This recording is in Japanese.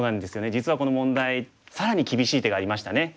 実はこの問題更に厳しい手がありましたね。